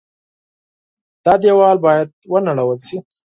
دا دېوال باید ونړول شي.